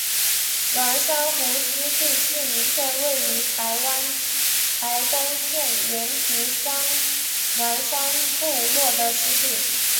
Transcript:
鸾山湖湿地是一片位于台湾台东县延平乡鸾山部落的湿地。